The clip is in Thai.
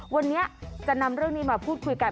วันนี้จะนำเรื่องนี้มาพูดคุยกัน